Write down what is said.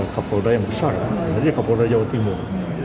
kapolda yang besar jadi kapolda jawa timur